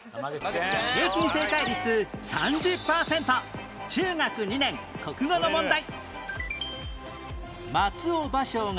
平均正解率３０パーセント中学２年国語の問題